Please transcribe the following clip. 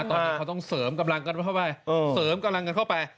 ตอนนี้เขาต้องเสริมกำลังกันเข้าไป